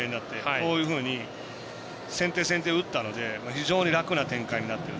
こういうふうに先手、先手を打ったので非常に楽な展開になってる。